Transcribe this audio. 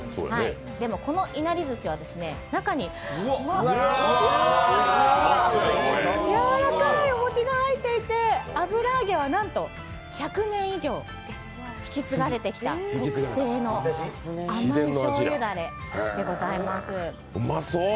でも、このいなり寿司は中にやわらかいお餅が入っていて、油揚げはなんと、１００年以上引き継がれてきた特製の甘いしょうゆダレでございます。